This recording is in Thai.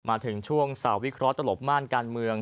มาถึงช่วงสาววิเคราะห์ตลบม่านการเมือง